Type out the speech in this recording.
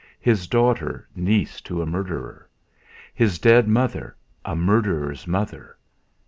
His daughter niece to a murderer! His dead mother a murderer's mother!